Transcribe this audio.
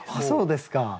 そうですか！